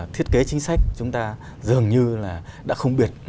thiết kế chính sách chúng ta dường như là đã không biệt